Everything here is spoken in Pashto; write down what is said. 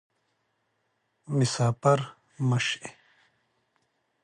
مسافر مه شي